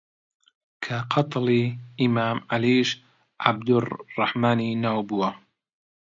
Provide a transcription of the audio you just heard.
کە قاتڵی ئیمام عەلیش عەبدوڕڕەحمانی ناو بووە